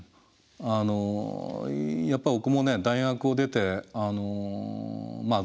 あのやっぱり僕もね大学を出てまあ